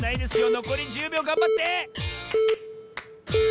のこり１０びょうがんばって！